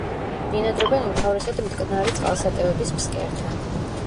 ბინადრობენ უმთავრესად მტკნარი წყალსატევების ფსკერთან.